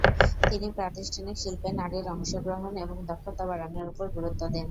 তিনি প্রাতিষ্ঠানিক শিল্পে নারীর অংশগ্রহণ এবং দক্ষতা বাড়ানোর ওপর গুরুত্ব দেন।